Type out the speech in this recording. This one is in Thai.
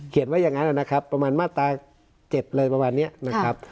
ไว้อย่างนั้นนะครับประมาณมาตรา๗เลยประมาณนี้นะครับ